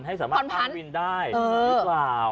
ให้สามารถพักวินได้หรือเปล่า